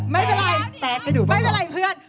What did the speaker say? ไม่เป็นไรเพื่อน